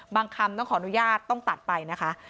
คำต้องขออนุญาตต้องตัดไปนะคะ